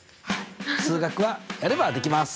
数学はやればできます！